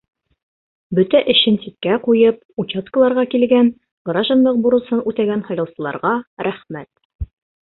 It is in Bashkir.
Бөтә эшен ситкә ҡуйып, участкаларға килгән, гражданлыҡ бурысын үтәгән һайлаусыларға рәхмәт.